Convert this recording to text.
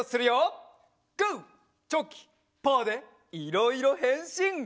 グーチョキパーでいろいろへんしん！